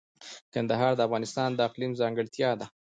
کندهار د افغانستان د اقلیم ځانګړتیا ده.